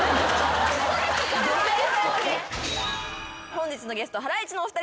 本日のゲストハライチのお二人です。